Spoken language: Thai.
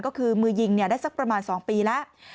ก็คือมือยิงได้สักประมาณ๒ปีแล้ว